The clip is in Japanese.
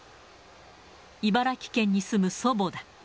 茨城県に住む祖母だ。